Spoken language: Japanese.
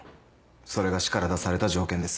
それが市から出された条件です。